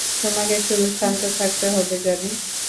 তোমাকে শুধু শান্ত থাকতে হবে, জনি।